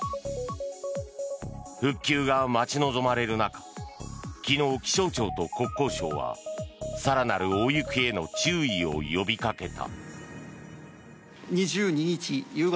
復旧が待ち望まれる中昨日、気象庁と国交省は更なる大雪への注意を呼びかけた。